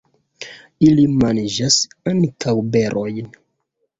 Ili manĝas ankaŭ berojn.